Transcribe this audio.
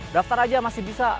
daftar aja masih bisa